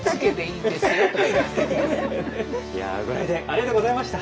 いやご来店ありがとうございました。